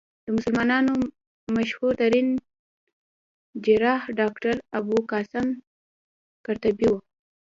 د مسلمانانو مشهورترين جراح ډاکټر ابوالقاسم قرطبي وو.